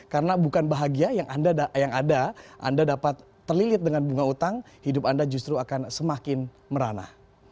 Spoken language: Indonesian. karena bukan bahagia yang ada anda dapat terlilit dengan bunga hutang hidup anda justru akan semakin merana